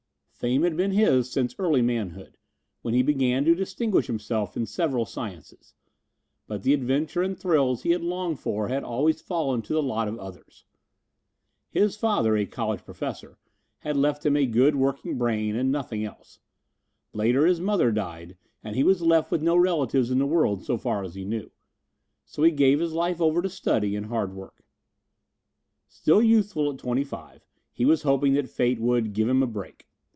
Fame had been his since early manhood, when he began to distinguish himself in several sciences, but the adventure and thrills he had longed for had always fallen to the lot of others. His father, a college professor, had left him a good working brain and nothing else. Later his mother died and he was left with no relatives in the world, so far as he knew. So he gave his life over to study and hard work. Still youthful at twenty five, he was hoping that fate would "give him a break."